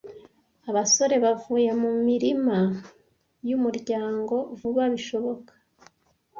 Abasore bavuye mumirima yumuryango vuba bishoboka.